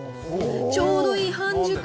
ちょうどいい、半熟。